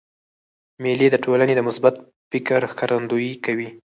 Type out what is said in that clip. مېلې د ټولني د مثبت فکر ښکارندویي کوي.